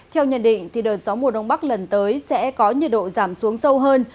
theo nhận định đợt gió mùa đông bắc lần tới sẽ có nhiệt độ giảm xuống sâu hơn